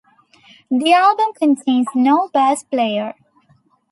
The album contains no bass player.